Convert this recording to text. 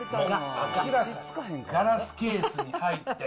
明らかにガラスケースに入って。